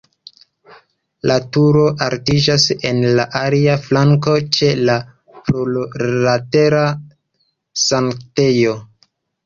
La turo altiĝas en la alia flanko ĉe la plurlatera sanktejo.